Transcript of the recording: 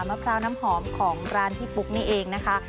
มะพร้าวน้ำหอมของร้านพี่ปุ๊กนี่เองนะคะ